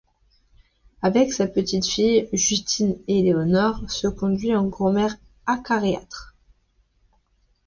Avec sa petite-fille, Justine-Éléonore se conduit en grand-mère acariâtre.